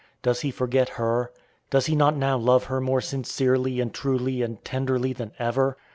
Does he forget her? Does he not now love her more sincerely and truly and tenderly than ever?